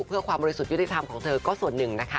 เพื่อความบริสุทธิ์ยุติธรรมของเธอก็ส่วนหนึ่งนะคะ